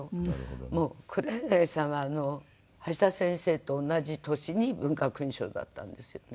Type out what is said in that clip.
黒柳さんは橋田先生と同じ年に文化勲章だったんですよね？